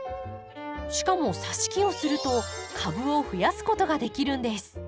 しかもさし木をすると株を増やすことができるんです。